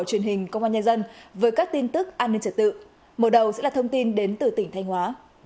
truyền hình công an nhân dân với các tin tức an ninh trật tự mở đầu sẽ là thông tin đến từ tỉnh thanh hóa